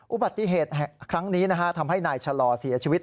อุบัติเหตุครั้งนี้ทำให้นายชะลอเสียชีวิต